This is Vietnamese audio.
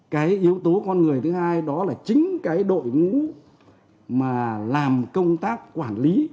cái yếu tố con người thứ hai đó là chính cái đội ngũ mà làm công tác quản lý